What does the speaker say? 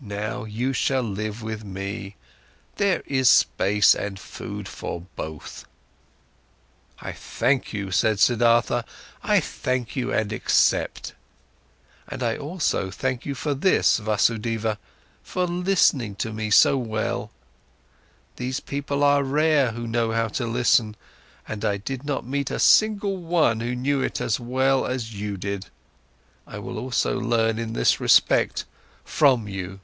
Now, you shall live with me, there is space and food for both." "I thank you," said Siddhartha, "I thank you and accept. And I also thank you for this, Vasudeva, for listening to me so well! These people are rare who know how to listen. And I did not meet a single one who knew it as well as you did. I will also learn in this respect from you."